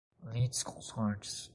litisconsortes